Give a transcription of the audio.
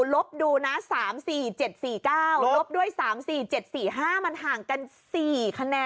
ลบดูนะ๓๔๗๔๙ลบด้วย๓๔๗๔๕มันห่างกัน๔คะแนน